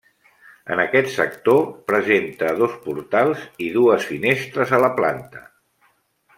En aquest sector presenta dos portals i dues finestres a la planta.